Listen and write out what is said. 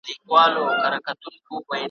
درلېږل چي مي نظمونه هغه نه یم `